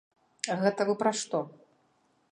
Гэта вы пра што?